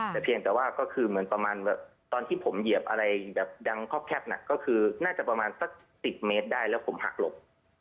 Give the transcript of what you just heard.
แต่เพียงแต่ว่าก็คือเหมือนประมาณแบบตอนที่ผมเหยียบอะไรแบบดังครอบแคบหนักก็คือน่าจะประมาณสัก๑๐เมตรได้แล้วผมหักหลบ